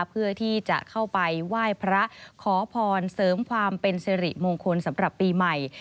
เพื่อที่จะเข้าไปไหว้พระขอพรเสริมความเป็นสิริมงคลสำหรับปีใหม่